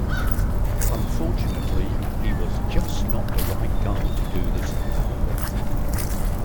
Unfortunately, he was just not the right guy to do this album.